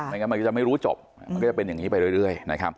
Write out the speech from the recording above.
งั้นมันก็จะไม่รู้จบมันก็จะเป็นอย่างนี้ไปเรื่อยนะครับ